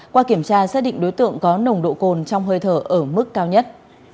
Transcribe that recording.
qua kiểm tra xác định đối tượng có nồng độ cồn trong hơi thở ở mức cao nhất